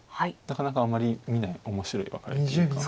なかなかあまり見ない面白いワカレというか。